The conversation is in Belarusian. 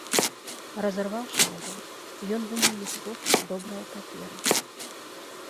Разарваўшы яго, ён выняў лісток добрае паперы.